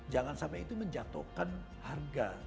jangan sampai itu menjatuhkan harga